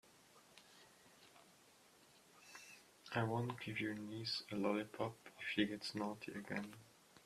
I won't give your niece a lollipop if she gets naughty again.